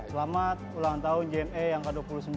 selamat ulang tahun jne yang ke dua puluh sembilan